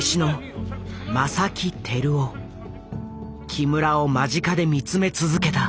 木村を間近で見つめ続けた。